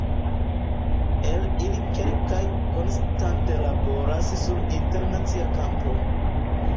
El ili kelkaj konstante laboras sur internacia kampo.